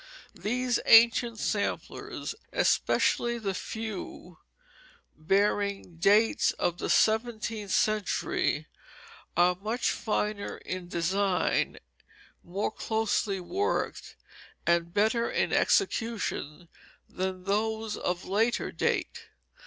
These ancient samplers, especially the few bearing dates of the seventeenth century, are much finer in design, more closely worked, and better in execution than those of later date.